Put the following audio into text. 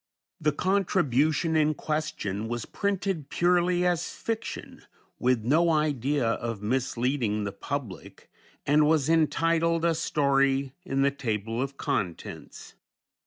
The contribution in question was printed purely as fiction, with no idea of misleading the public, and was entitled a story in the table of contents.